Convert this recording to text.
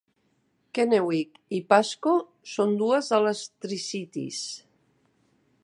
Kennewick i Pasco són dues de les Tri-Cities.